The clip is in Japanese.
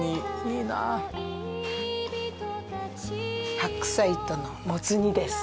白菜とのモツ煮です。